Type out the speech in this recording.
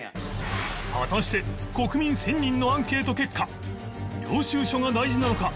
果たして国民１０００人のアンケート結果領収書が大事なのか？